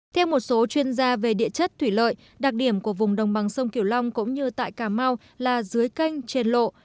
theo một số chuyên gia về địa chất thủy lợi đặc điểm của vùng đồng bằng sông kiểu long cũng như tại cà mau là dưới canh trên lộ